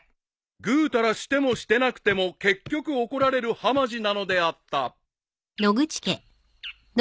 ［ぐうたらしてもしてなくても結局怒られるはまじなのであった］